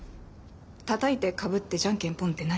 「たたいてかぶってじゃんけんぽん」って何？